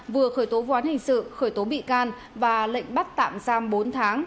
vừa khởi tố vụ án hình sự khởi tố bị can và lệnh bắt tạm giam bốn tháng